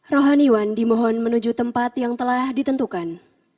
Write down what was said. rohaniwan dimohon menuju tempat yang telah ditentukan